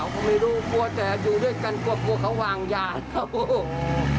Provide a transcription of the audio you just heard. ก็ไม่รู้กลัวแต่อยู่ด้วยกันกลัวกลัวเขาวางยาครับ